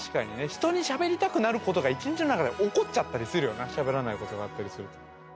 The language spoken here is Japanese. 人にしゃべりたくなることが１日の中で起こっちゃったりするよなしゃべらないことがあったりすると。